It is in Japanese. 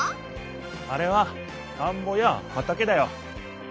あれは田んぼや畑だよ。